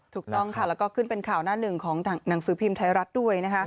ถูกต้องค่ะแล้วก็ขึ้นเป็นข่าวหน้าหนึ่งของหนังสือพิมพ์ไทยรัฐด้วยนะคะ